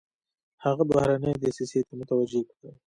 هغې بهرنۍ دسیسې ته متوجه کړو.